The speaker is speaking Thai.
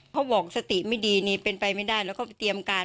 เขาบอกสติไม่ดีนี่เป็นไปไม่ได้แล้วก็ไปเตรียมการ